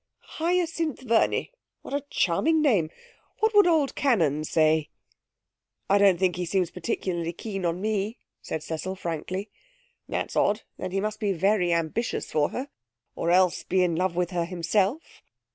Hyacinth Verney what a charming name! ... What would old Cannon say?' 'I don't think he seems particularly keen on me,' said Cecil frankly. 'That's odd. Then he must be very ambitious for her, or else be in love with her himself